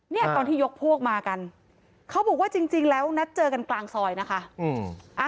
เนี่ยตอนที่ยกพวกมากันเขาบอกว่าจริงแล้วนัดเจอกันกลางซอยนะคะ